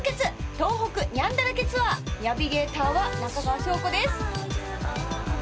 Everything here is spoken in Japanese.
東北ニャンだらけツアー』ニャビゲーターは中川翔子です。